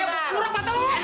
eh bukurek mata lo